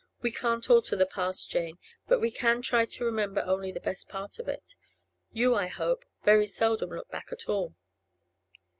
'We can't alter the past, Jane, but we can try to remember only the best part of it. You, I hope, very seldom look back at all.